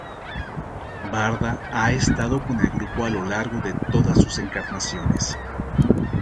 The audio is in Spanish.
Barda ha estado con el grupo a lo largo de todas sus encarnaciones.